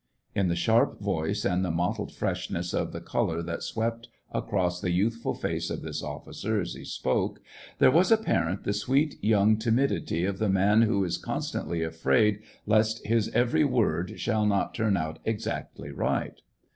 In the sharp voice and the mottled freshness of the color that swept across the youthful face of this officer as he spoke there was apparent the sweet young timidity of the man who is con stantly afraid lest his every word shall not turn out exactly right.